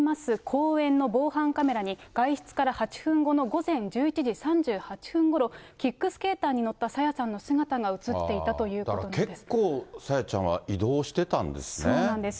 公園の防犯カメラに、外出から８分後の午前１１時３８分ごろ、キックスケーターに乗った朝芽さんの姿が写っていたということでだから結構、朝芽ちゃんは移そうなんです。